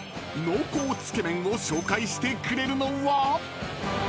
［濃厚つけ麺を紹介してくれるのは］